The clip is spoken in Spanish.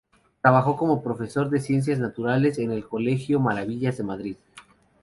Trabajó como profesor de Ciencias Naturales en el colegio Maravillas de Madrid.